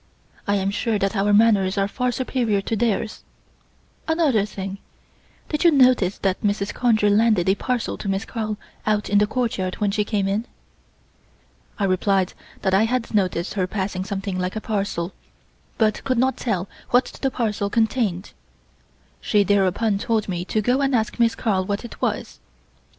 I am sure that our manners are far superior to theirs. Another thing did you notice that Mrs. Conger handed a parcel to Miss Carl out in the courtyard when she came in?" I replied that I had noticed her passing something like a parcel, but could not tell what the parcel contained. She thereupon told me to go and ask Miss Carl what it was.